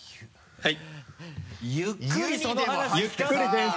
はい。